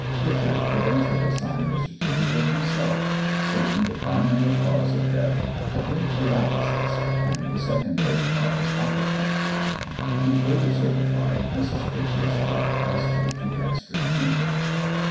Pritchard eventually signed the certificate himself, stating the primary cause of death had been paralysis and the secondary cause apoplexy. He further certified Mrs. Pritchard's death as due to gastric fever.